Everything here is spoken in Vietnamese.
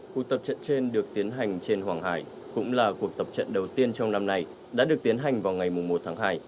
cuộc tập trận trên được tiến hành trên hoàng hải cũng là cuộc tập trận đầu tiên trong năm nay đã được tiến hành vào ngày một tháng hai